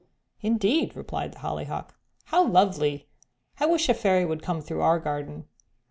'" "Indeed!" replied the Hollyhock. "How lovely; I wish a fairy would come through our garden."